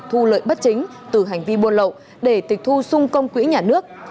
thu lợi bất chính từ hành vi buôn lộ để tịch thu sung công quỹ nhà nước